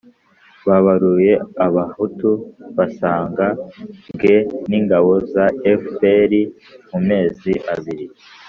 babaruye abahutu basaga bwe n'ingabo za fpr mu mezi abiri